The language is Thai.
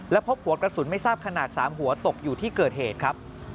พบหัวกระสุนไม่ทราบขนาด๓หัวตกอยู่ที่เกิดเหตุครับ